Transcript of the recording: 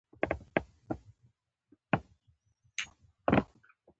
مجاهد د الهي مرسته غواړي.